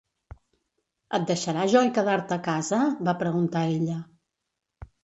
"Et deixarà Joy quedar-te a casa?", va preguntar ella.